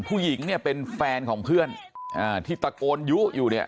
ผู้หญิงเนี่ยเป็นแฟนของเพื่อนอ่าที่ตะโกนยุอยู่เนี่ย